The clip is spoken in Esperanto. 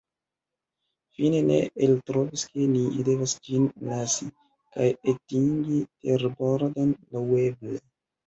Fine, ni eltrovis ke ni devas ĝin lasi, kaj atingi terbordon laŭeble.